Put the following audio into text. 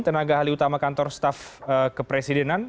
tenaga ahli utama kantor staf kepresidenan